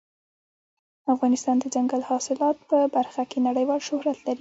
افغانستان د دځنګل حاصلات په برخه کې نړیوال شهرت لري.